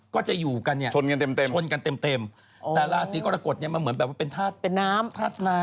ก็จะอยู่กันเนี่ยชนกันเต็มแต่ลาศรีกรกฎเนี่ยมันเหมือนแบบว่าเป็นธาตุน้ำ